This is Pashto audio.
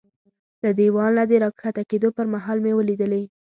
له دېوال نه د را کښته کېدو پر مهال مې ولیدلې.